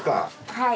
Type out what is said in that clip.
はい。